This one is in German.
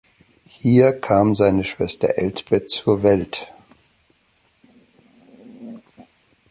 Hier kam seine Schwester Elsbeth zur Welt.